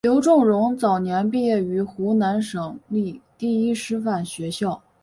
刘仲容早年毕业于湖南省立第一师范学校。